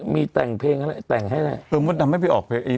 มีแต่งเพลงให้นี่